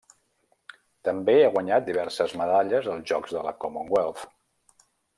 També ha guanyat diverses medalles als Jocs de la Commonwealth.